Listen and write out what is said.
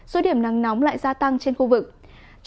số điểm nắng nóng lại gia tăng trên khu vực